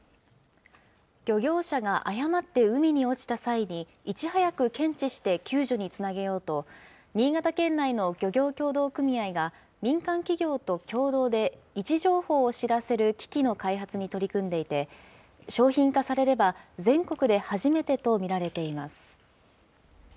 漁業者が誤って海に落ちた際に、いち早く検知して救助につなげようと、新潟県内の漁業協同組合が、民間企業と共同で位置情報を知らせる機器の開発に取り組んでいて、商品化されれば、全国で初めてと見られています。